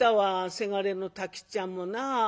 せがれの太吉っちゃんもな」。